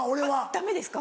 ダメですか？